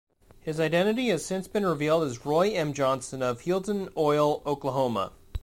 His identity has since been revealed as Roy M. Johnson of Healdton Oil, Oklahoma.